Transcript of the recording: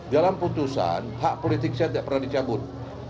dalam putusan hak politik saya tidak pernah dicabut